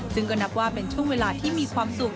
ซึ่งก็นับว่าเป็นช่วงเวลาที่มีความสุข